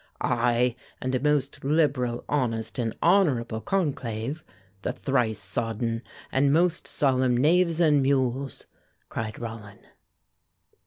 "Aye! and a most, liberal, honest and honorable conclave the thrice sodden and most solemn knaves and mules!" cried Rollin.